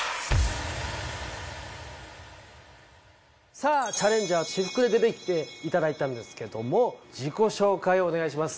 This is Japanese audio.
さあチャレンジャー私服で出てきて頂いたんですけども自己紹介をお願いします。